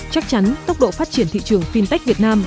chắc chắn tốc độ phát triển thị trường fintech việt nam